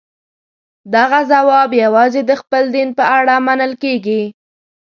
دغه ځواب یوازې د خپل دین په اړه منل کېږي.